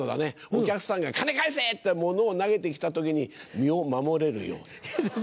お客さんが「金返せ！」って物を投げて来た時に身を守れるように。